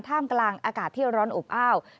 ท่ามกลางอากาศที่ร้อนอุปอ้าว